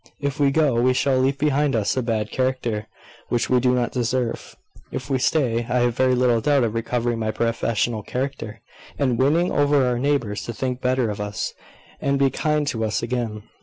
If we go, we shall leave behind us a bad character, which we do not deserve. If we stay, I have very little doubt of recovering my professional character, and winning over our neighbours to think better of us, and be kind to us again.